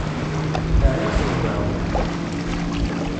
Rriɣ-t deg uɛewwiq.